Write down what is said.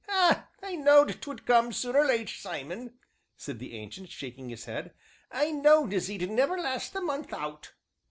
"Ah! I knowed 'twould come soon or late, Simon," said the Ancient, shaking his head, "I knowed as 'e'd never last the month out."